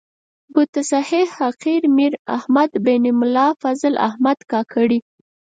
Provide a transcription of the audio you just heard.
بتصحیح حقیر میر احمد بن ملا فضل احمد کاکړي.